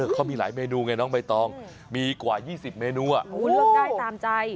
เขามีหลายเมนูไงน้องใบตองมีกว่า๒๐เมนูเลือกได้ตามใจ